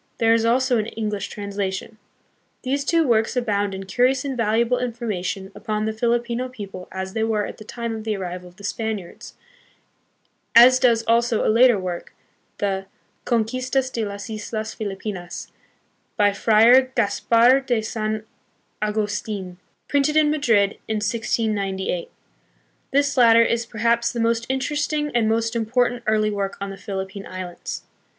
There is also an English translation. These two works abound hi curious and valuable infor mation upon the Filipino people as they were at the tune of the arrival of the Spaniards, as does also a later work, the Oonquistas de las Islas Filipinas, by Friar Gaspar de San Augustfn, printed in Madrid in 1698. This latter is perhaps the most interesting and most important early work on the Philippine Islands.